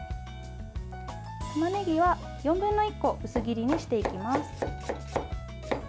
たまねぎは４分の１個薄切りにしていきます。